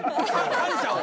感謝を！